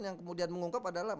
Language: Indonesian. yang kemudian mengungkap adalah